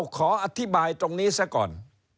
ขออธิบายตรงนี้ซะก่อน